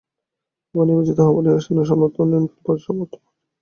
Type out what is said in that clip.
আবার নির্বাচিত হওয়ায় এই আসনের অসমাপ্ত উন্নয়নকাজগুলো সমাপ্ত করার অঙ্গীকার করেন তিনি।